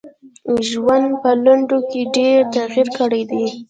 ژوند په لنډو کي ډېر تغیر کړی دی .